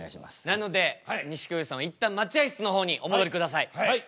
なので錦鯉さんは一旦待合室の方にお戻りください。